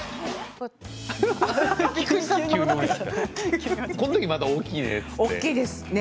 この時まだ大きいね。